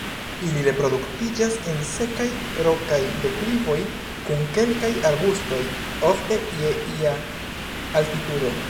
Ili reproduktiĝas en sekaj rokaj deklivoj kun kelkaj arbustoj, ofte je ia altitudo.